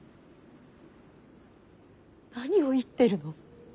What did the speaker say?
何を言ってるの。